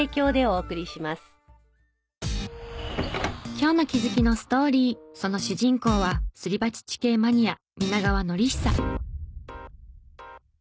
今日の気づきのストーリーその主人公はスリバチ地形マニア皆川典久。